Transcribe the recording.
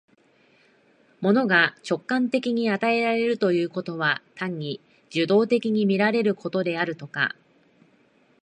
物が直観的に与えられるということは、単に受働的に見られることであるとか、